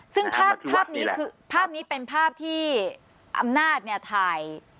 ซึ่งภาพนี้คือภาพนี้เป็นภาพที่อำนาจเนี่ยถ่าย